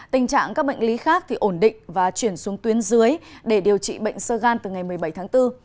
tình trạng các bệnh lý khác ổn định và chuyển xuống tuyến dưới để điều trị bệnh sơ gan từ ngày một mươi bảy tháng bốn